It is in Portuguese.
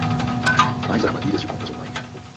Mais armadilhas de compras online